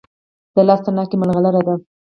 د لاس تڼاکه ملغلره ده.